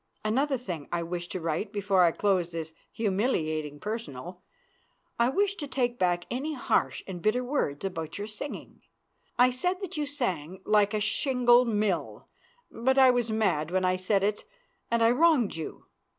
Another thing I wish to write before I close this humiliating personal. I wish to take back any harsh and bitter words about your singing. I said that you sang like a shingle mill, but I was mad when I said it, and I wronged you.